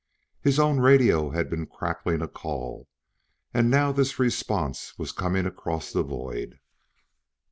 His own radio had been crackling a call, and now this response was coming across the void.